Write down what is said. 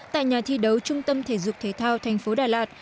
tại nhà thi đấu trung tâm thể dục thể thao tp đà lạt